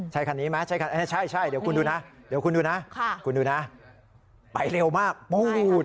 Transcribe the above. ใช่คันนี้ไหมใช่คันใช่เดี๋ยวคุณดูนะคุณดูนะไปเร็วมากปรู๊ด